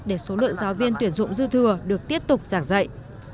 để số lượng giáo viên tuyển dụng dư thừa được tiếp tục giảng dạy